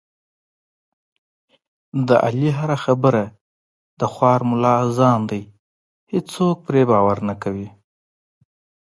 د علي هره خبره د خوار ملا اذان دی، هېڅوک پرې باور نه کوي.